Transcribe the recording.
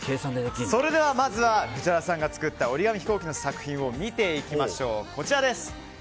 それでは、まずは藤原さんが作った折り紙ヒコーキの作品を見ていきましょう。